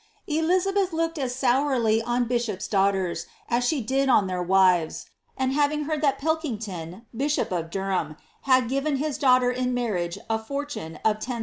^'' Elizabeth looked as sourly on bishops' dauehiera as she did uo ilieii wives i and having heard tliai PUkington, bishop of Durlinni, had given his daiigliter ia nuuria^ a fortune of 10,000